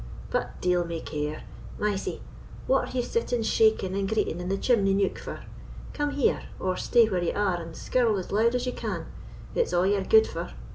—but deil may care. Mysie, what are ye sitting shaking and greeting in the chimney neuk for? Come here—or stay where ye are, and skirl as loud as ye can; it's a' ye're gude for.